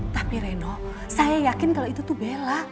tapi reno saya yakin kalau itu tuh bella